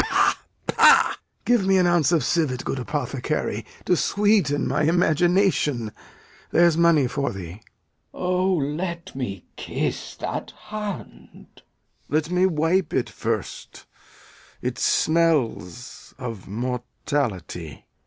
pah, pah! Give me an ounce of civet, good apothecary, to sweeten my imagination. There's money for thee. Glou. O, let me kiss that hand! Lear. Let me wipe it first; it smells of mortality.